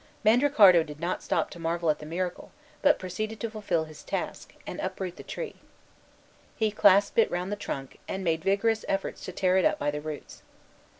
Mandricardo did not stop to marvel at the miracle, but proceeded to fulfil his task, and uproot the tree. He clasped it round the trunk, and made vigorous efforts to tear it up by the roots.